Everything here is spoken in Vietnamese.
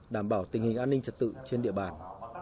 đảm bảo tình hình an ninh trật tự trên địa bàn